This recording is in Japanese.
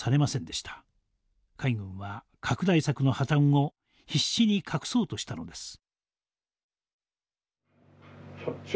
海軍は拡大策の破綻を必死に隠そうとしたのです。